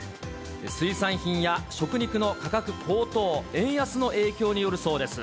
水産品や食肉の価格高騰、円安の影響によるそうです。